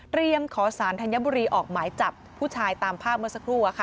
ขอสารธัญบุรีออกหมายจับผู้ชายตามภาพเมื่อสักครู่